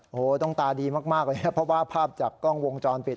โอ้โหต้องตาดีมากเลยนะเพราะว่าภาพจากกล้องวงจรปิด